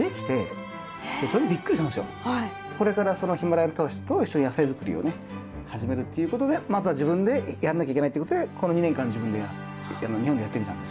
これからそのヒマラヤの人たちと一緒に野菜作りをね始めるっていうことでまずは自分でやんなきゃいけないってことでこの２年間自分で日本でやってみたんですよね。